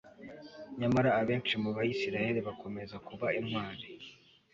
nyamara abenshi mu bayisraheli bakomeza kuba intwari